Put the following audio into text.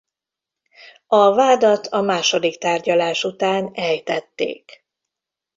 A vádat a második tárgyalás után ejtették.